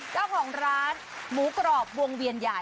เจ้าของร้านหมูกรอบวงเวียนใหญ่